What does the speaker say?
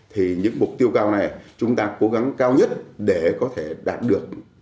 thì những mục tiêu cao này chúng ta cố gắng cao nhất để có thể đạt được